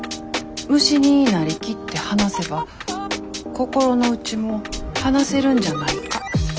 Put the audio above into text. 虫になりきって話せば心の内も話せるんじゃないか？という会です。